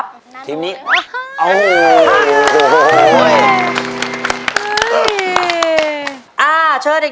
เรียกประกันแล้วยังคะ